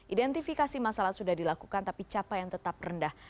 identifikasi masalah sudah dilakukan tapi capa yang tetap rendah